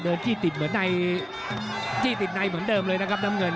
จี้ติดเหมือนในจี้ติดในเหมือนเดิมเลยนะครับน้ำเงิน